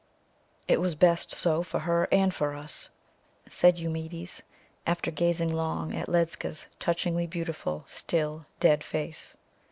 "It was best so for her and for us," said Eumedes, after gazing long at Ledscha's touchingly beautiful, still, dead face.